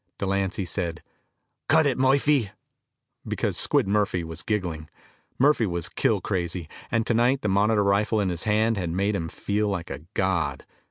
Delancy said, "Cut it, Murphy!" Because Squid Murphy was giggling. Murphy was kill crazy, and tonight the Monitor rifle in his hands had made him feel like a god.